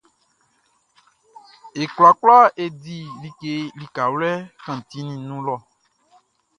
E kwlakwla e di like likawlɛ kantinʼn nun lɔ.